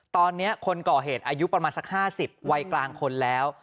ตอนนี้คนก่อเหตุอายุประมาณสัก๕๐วัยกลางคนแล้ว